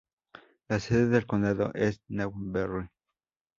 La sede del condado es Newberry.